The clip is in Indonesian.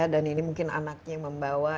dan ini mungkin anaknya membawa